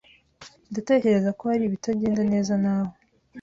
Ndatekereza ko hari ibitagenda neza nawe.